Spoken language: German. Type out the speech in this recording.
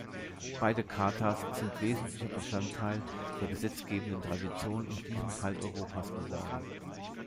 Beide Chartas sind wesentlicher Teil der gesetzgebenden Tradition in diesem Teil Europas geworden.